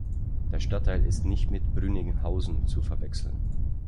Der Stadtteil ist nicht mit Brüninghausen zu verwechseln.